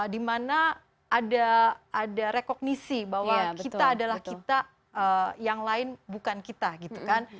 dimana ada rekognisi bahwa kita adalah kita yang lain bukan kita gitu kan